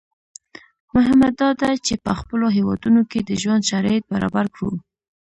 مهمه دا ده چې په خپلو هېوادونو کې د ژوند شرایط برابر کړو.